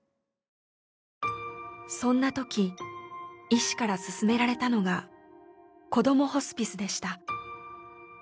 そんなとき医師から勧められたのがこどもホスピスでした。